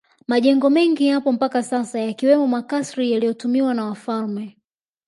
Majengo mengi yapo mpaka sasa yakiwemo makasri yaliyotumiwa na wafalme